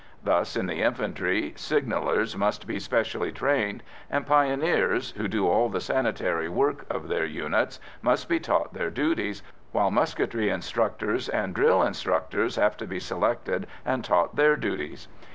Thus, in the infantry, signallers must be specially trained, and pioneers, who do all the sanitary work of their units, must be taught their duties, while musketry instructors and drill instructors have to be selected and taught their duties.